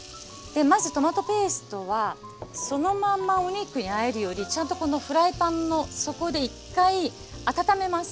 まずトマトペーストはそのまんまお肉にあえるよりちゃんとこのフライパンの底で一回温めます。